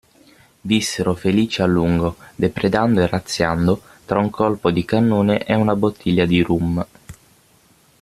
Vissero felici a lungo, depredando e razziando, tra un colpo di cannone e una bottiglia di rum.